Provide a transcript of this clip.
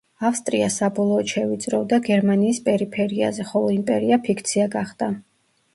ავსტრია საბოლოოდ შევიწროვდა გერმანიის პერიფერიაზე, ხოლო იმპერია ფიქცია გახდა.